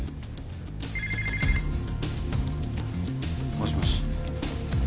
もしもし？